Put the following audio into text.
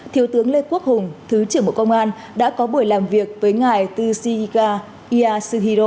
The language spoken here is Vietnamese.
thiếu tướng lê quốc hùng thứ trưởng bộ công an đã có buổi làm việc với ngài tushika ieyasuhiro